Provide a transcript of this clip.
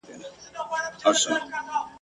پر دې ستړو رباتونو کاروانونه به ورکیږي ..